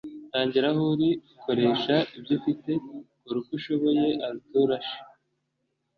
tangira aho uri. koresha ibyo ufite. kora uko ushoboye. - arthur ashe